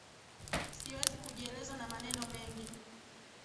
Siwezi kujieleza na maneno mengi